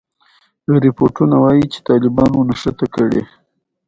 ازادي راډیو د سیاست په اړه د غیر دولتي سازمانونو رول بیان کړی.